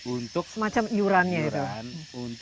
untuk semacam iuran